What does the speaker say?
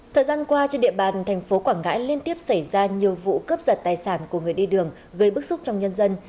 thời gian qua trên địa bàn thành phố quảng ngãi liên tiếp xảy ra nhiều vụ cướp giật tài sản của người đi đường gây bức xúc trong nhân dân